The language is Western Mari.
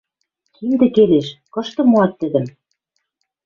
Киндӹ келеш. Кышты моат тӹдӹм?